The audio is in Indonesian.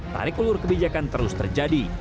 tarik ulur kebijakan terus terjadi